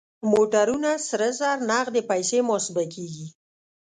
موټرونه سره زر نغدې پيسې محاسبه کېږي.